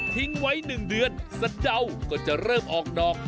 ทิ้งไว้๑เดือนสะเดาก็จะเริ่มออกดอก